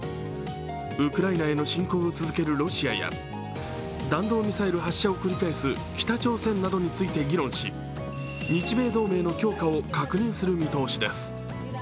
ウクライナへの侵攻を続けるロシアや弾道ミサイル発射を繰り返す北朝鮮などについて議論し日米同盟の強化を確認する見通しです。